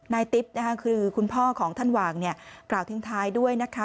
นายติ๊บคือคุณพ่อของท่านหวังเนี่ยกล่าวถึงท้ายด้วยนะคะ